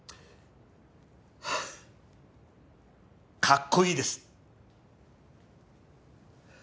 かっこいいです。